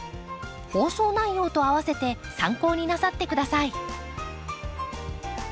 放送内容と併せて参考になさってください。